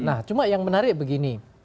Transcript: nah cuma yang menarik begini